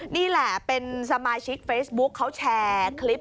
นี่แหละเป็นสมาชิกเฟซบุ๊คเขาแชร์คลิป